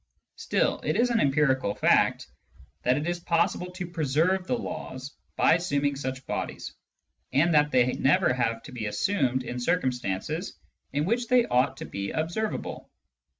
Still, it is an empirical fact that it is possible to preserve the laws by assuming such bodies, and that they never have to be assumed in cir cumstances in which they ought to be observable.